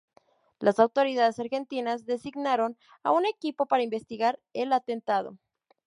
Las autoridades argentinas designaron a un equipo para investigar el atentado.